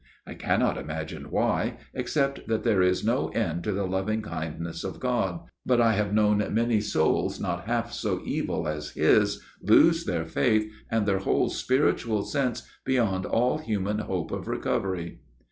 I cannot imagine why, except that there is no end to the loving kindness THE FATHER RECTOR'S STORY 79 of God, but I have known many souls not half so evil as his, lose their faith and their whole spiritual sense beyond all human hope of recovery."